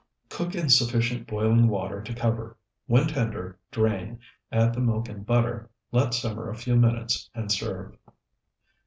Cook in sufficient boiling water to cover. When tender, drain, add the milk and butter, let simmer a few minutes, and serve.